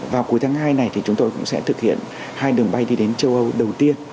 vào cuối tháng hai này thì chúng tôi cũng sẽ thực hiện hai đường bay đi đến châu âu đầu tiên